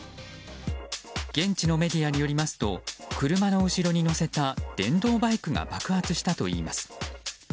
現地のメディアによりますと車の後ろに載せた電動バイクが爆発したといいます。